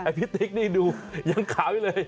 พี่ติ๊กนี่ดูยังขาวอยู่เลย